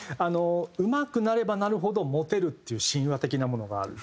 うまくなればなるほどモテるっていう神話的なものがある。